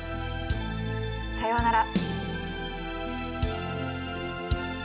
さようなら。